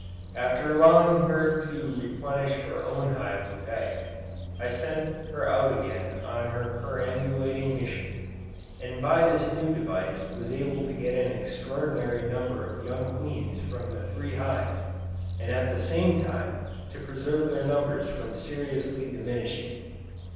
After allowing her to replenish her own hive with eggs, I sent her out again on her perambulating mission, and by this new device was able to get an extraordinary number of young queens from the three hives, and at the same time to preserve their numbers from seriously diminishing.